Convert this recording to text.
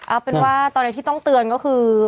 เอาเป็นว่าตอนนี้ที่ต้องเตือนก็คือ